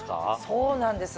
そうなんです。